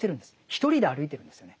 一人で歩いてるんですよね。